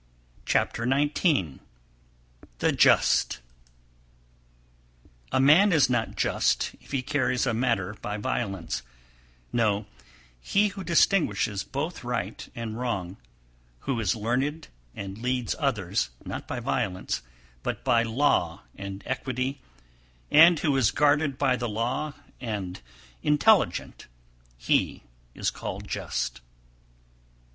Chapter XIX. The Just 256, 257. A man is not just if he carries a matter by violence; no, he who distinguishes both right and wrong, who is learned and leads others, not by violence, but by law and equity, and who is guarded by the law and intelligent, he is called just.